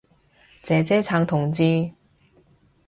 姐姐撐同志